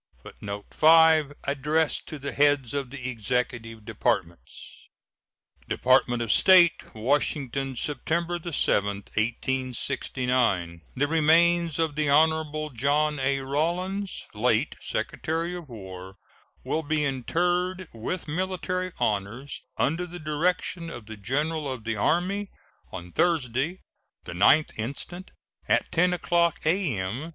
[Footnote 5: Addressed to the heads of the Executive Departments.] DEPARTMENT OF STATE, Washington, September 7, 1869. The remains of the Hon. John A. Rawlins, late Secretary of War, will be interred with military honors, under the direction of the General of the Army, on Thursday, the 9th instant, at 10 o'clock a.m.